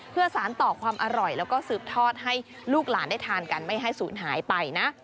เพื่อสารต่อความอร่อยแล้วก็สืบทอดให้ลูกหลานได้ทานกันไม่ให้ศูนย์หายไปนะ